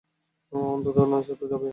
অন্তত নাচা তো যাবে।